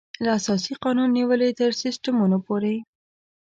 له اساسي قانون نېولې تر سیسټمونو پورې.